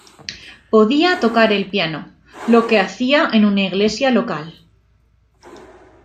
Podía tocar el piano, lo que hacía en una iglesia local.